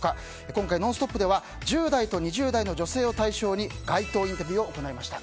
今回、「ノンストップ！」では１０代と２０代の女性を対象に街頭インタビューを行いました。